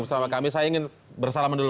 bersama kami saya ingin bersalaman dulu